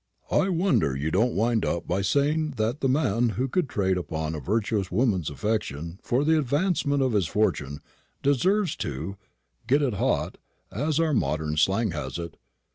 "I wonder you don't wind up by saying that the man who could trade upon a virtuous woman's affection for the advancement of his fortune, deserves to get it hot, as our modern slang has it.